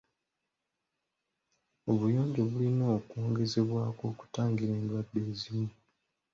Obuyonjo bulina okwongezebwako okutangira endwadde ezimu.